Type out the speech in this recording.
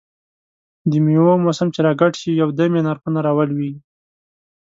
دمېوو موسم چې را ګډ شي، یو دم یې نرخونه را ولوېږي.